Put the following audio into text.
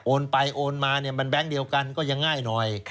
ไปโอนมาเนี่ยมันแบงค์เดียวกันก็ยังง่ายหน่อย